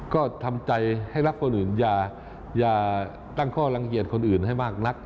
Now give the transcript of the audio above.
ก็ทำใจให้รักคนอื่นอย่าตั้งข้อลังเกียจคนอื่นให้มากนัก